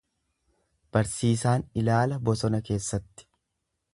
Barsiisaan ilaala bosona keessatti.